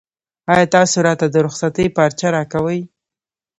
ایا تاسو راته د رخصتۍ پارچه راکوئ؟